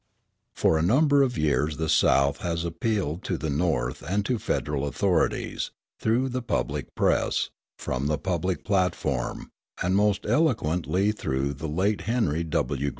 For a number of years the South has appealed to the North and to federal authorities, through the public press, from the public platform, and most eloquently through the late Henry W.